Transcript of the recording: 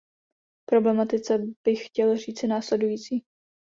K problematice bych chtěl říci následující.